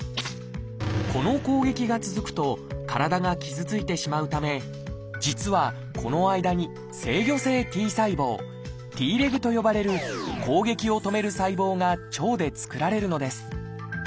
この攻撃が続くと体が傷ついてしまうため実はこの間に「制御性Ｔ細胞」と呼ばれる攻撃を止める細胞が腸で作られるのです。